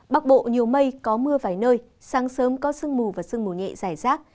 bắc bộ nhiều mây có mưa vài nơi sáng sớm có sương mù và sương mù nhẹ dài rác